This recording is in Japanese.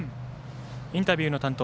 インタビューの担当